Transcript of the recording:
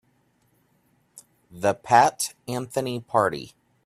The Pat Anthony Party.